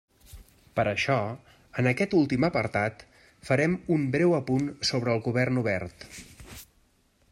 Per això, en aquest últim apartat farem un breu apunt sobre el Govern Obert.